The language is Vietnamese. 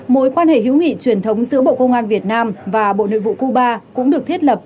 mối quan hệ hữu nghị truyền thống giữa bộ công an việt nam và bộ nội vụ cuba cũng được thiết lập